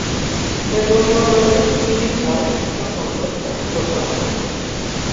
এ জন্য রয়েছে শ্রীহরেকৃষ্ণ সংঘ ইত্যাদি প্রচার দল।